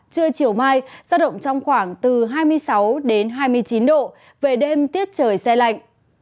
trưa chiều mai giao động trong khoảng từ hai mươi sáu đến hai mươi chín độ về đêm tiết trời xe lạnh